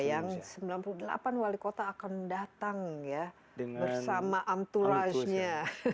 yang sembilan puluh delapan wali kota akan datang bersama entouragenya